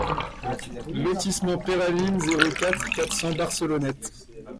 Lotissement Peyralines, zéro quatre, quatre cents Barcelonnette